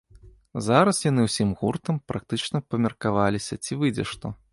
Зараз яны ўсім гуртам практычна памеркаваліся, ці выйдзе што.